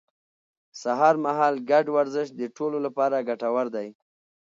سهار مهال ګډ ورزش د ټولو لپاره ګټور دی